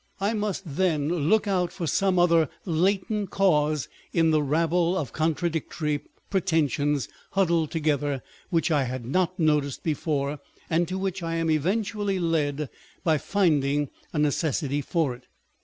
I must then look out for some other latent cause in the rabble of contra dictory pretensions huddled together, which I had not noticed before, and to which I am eventually led by finding a necessity for it.